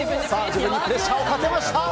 自分にプレッシャーをかけました。